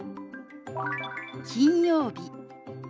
「金曜日」。